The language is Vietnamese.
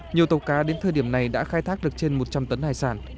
nhiều tàu cá đến thời điểm này đã khai thác được trên một trăm linh tấn hải sản